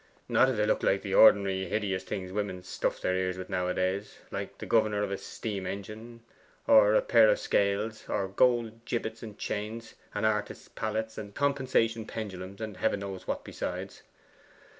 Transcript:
'Not if they were like the ordinary hideous things women stuff their ears with nowadays like the governor of a steam engine, or a pair of scales, or gold gibbets and chains, and artists' palettes, and compensation pendulums, and Heaven knows what besides.